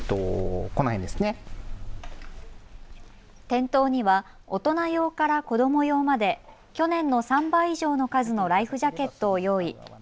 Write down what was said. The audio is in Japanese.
店頭には大人用から子ども用まで去年の３倍以上の数のライフジャケットを用意。